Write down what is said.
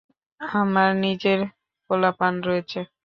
আমার নিজের পোলাপান রয়েছে।